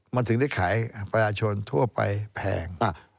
มันถึงได้ขายประชาชนทั่วไปแพง